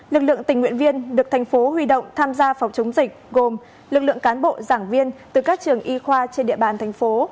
lực lượng tình nguyện viên được thành phố huy động tham gia phòng chống dịch gồm lực lượng cán bộ giảng viên từ các trường y khoa trên địa bàn thành phố